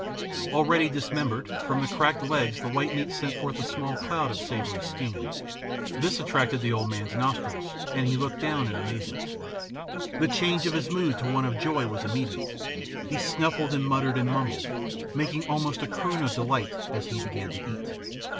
Already dismembered, from the cracked legs the white meat sent forth a small cloud of savory steam. This attracted the old man's nostrils, and he looked down in amazement. [Illustration: This attracted the old man's nostrils 033] The change of his mood to one of joy was immediate. He snuffled and muttered and mumbled, making almost a croon of delight, as he began to eat.